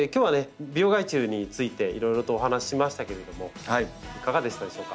病害虫についていろいろとお話ししましたけれどもいかがでしたでしょうか？